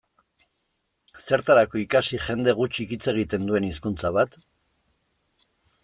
Zertarako ikasi jende gutxik hitz egiten duen hizkuntza bat?